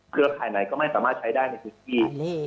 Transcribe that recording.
เครือไข่ไหนก็ไม่สามารถใช้ได้ในทุกที